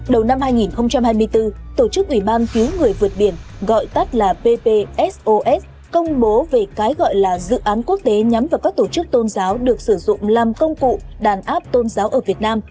đầu năm hai nghìn hai mươi bốn tổ chức ủy ban cứu người vượt biển gọi tắt là ppsos công bố về cái gọi là dự án quốc tế nhắm vào các tổ chức tôn giáo được sử dụng làm công cụ đàn áp tôn giáo ở việt nam